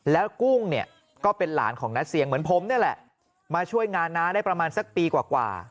แล้วกุ้งเนี่ยก็เป็นหลานของน้าเสียงเหมือนผมนี่แหละมาช่วยงานน้าได้ประมาณสักปีกว่า